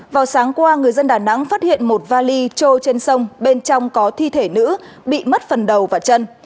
vào sáng qua người dân đà nẵng phát hiện một vali trôi trên sông bên trong có thi thể nữ bị mất phần đầu và chân